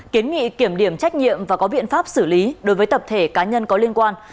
kiến nghị kiểm điểm trách nhiệm và có biện pháp xử lý đối với tập thể cá nhân có liên quan